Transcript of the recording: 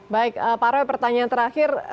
baik pak roy pertanyaan terakhir